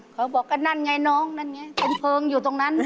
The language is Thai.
เขาก็บอกก็นั่นไงน้องนั่นไง